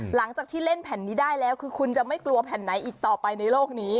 หลังจากที่เล่นแผ่นนี้ได้แล้วคือคุณจะไม่กลัวแผ่นไหนอีกต่อไปในโลกนี้